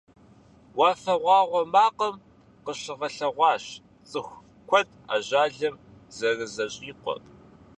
«Уафэгъуагъуэ макъым» къыщыгъэлъэгъуащ цӀыху куэд ажалым зэрызэщӀикъуэр.